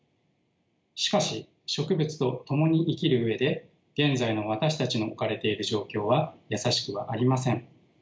しかし植物と共に生きる上で現在の私たちの置かれている状況は易しくはありません。